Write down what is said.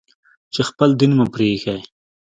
چې خپل دين مو پرې ايښى.